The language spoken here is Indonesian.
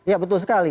ya betul sekali